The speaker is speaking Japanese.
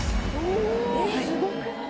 すごくない？